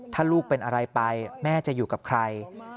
ถ้าลูกเป็นอะไรไปแม่จะอยู่กับใคร